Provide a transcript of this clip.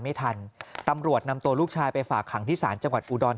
ไม่ทันตำรวจนำตัวลูกชายไปฝากขังที่ศาลจังหวัดอุดร